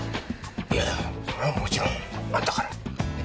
いやぁそれはもちろんあんたから。ね？